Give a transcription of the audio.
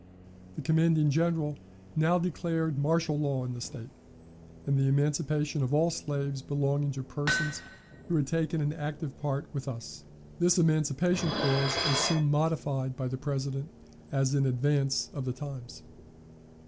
The commanding General now declared martial law in the State, and the emancipation of all slaves belonging to persons who had taken an active part with us. This emancipation clause was soon modified by the President as in advance of the times.